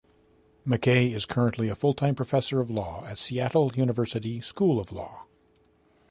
McKay is currently a full-time professor of law at Seattle University School of Law.